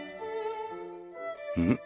うん？